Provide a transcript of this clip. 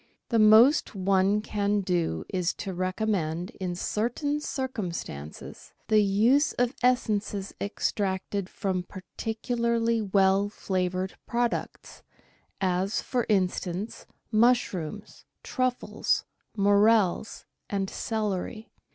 The most one can do is to recommend, in certain circum stances, the use of essences extracted from particularly well flavoured products, as, for instance, mushrooms, truffles, morels, and celery.